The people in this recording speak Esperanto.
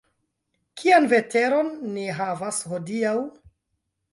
Kian veteron ni havas hodiaŭ?